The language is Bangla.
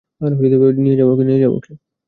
নিয়ে যাও ওকে।